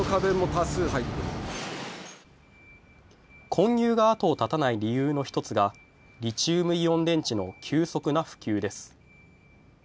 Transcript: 混入が後を絶たない理由の１つがリチウムイオン電池の急速な普及です。